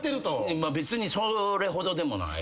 別にそれほどでもない。